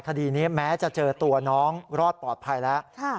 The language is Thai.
คดีนี้แม้จะเจอตัวน้องรอดปลอดภัยแล้ว